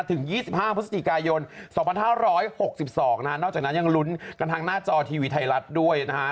ถึง๒๕พฤศจิกายน๒๕๖๒นะฮะนอกจากนั้นยังลุ้นกันทางหน้าจอทีวีไทยรัฐด้วยนะฮะ